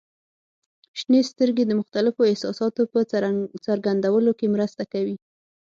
• شنې سترګې د مختلفو احساساتو په څرګندولو کې مرسته کوي.